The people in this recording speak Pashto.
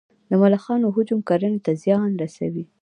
د ملخانو هجوم کرنې ته زیان رسوي